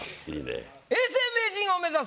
永世名人を目指す